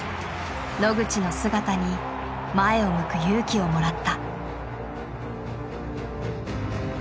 野口の姿に前を向く勇気をもらった。